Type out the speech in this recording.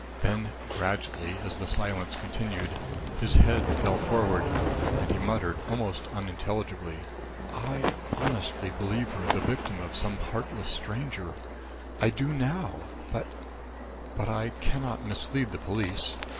Then gradually, as the silence continued, his head fell forward, and he muttered almost unintelligibly: "I honestly believe her the victim of some heartless stranger. I do now; but but I cannot mislead the police.